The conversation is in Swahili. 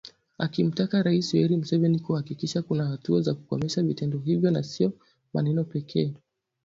Akimtaka Rais Yoweri Museveni kuhakikisha kuna hatua za kukomesha vitendo hivyo na sio maneno pekee.